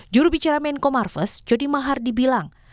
jurubicara menko marfes jody mahardy bilang